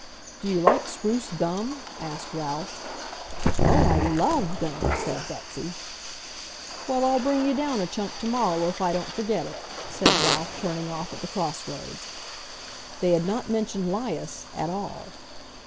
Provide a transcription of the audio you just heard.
"Do you like spruce gum?" asked Ralph. "Oh, I LOVE gum!" said Betsy. "Well, I'll bring you down a chunk tomorrow, if I don't forget it," said Ralph, turning off at the cross roads. They had not mentioned 'Lias at all.